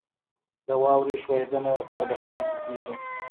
د واورې ښویدنه په بدخشان کې کیږي